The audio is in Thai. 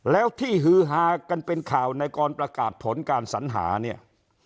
แล้วที่ฮือฮากันเป็นข่าวในกรประกาศผลการสัญหาเนี่ย